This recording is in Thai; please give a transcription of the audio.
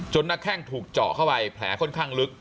หน้าแข้งถูกเจาะเข้าไปแผลค่อนข้างลึก